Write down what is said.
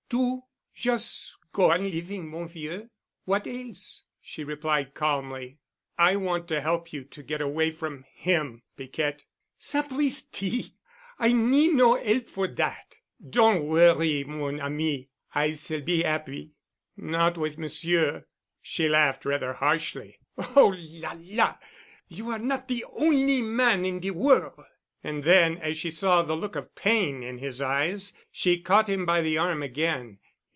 "Do? Jus' go on living, mon vieux. What else?" she replied calmly. "I want to help you to get away from him, Piquette——" "Sapristi! I need no 'elp for dat. Don' worry, mon ami. I s'all be 'appy——" "Not with Monsieur——" She laughed rather harshly. "Oh, la la! You are not de on'y man in de worl'——" And then, as she saw the look of pain in his eyes, she caught him by the arm again.